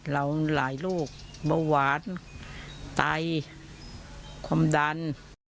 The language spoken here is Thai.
เราหลายโรคเบาหวานตายความดัน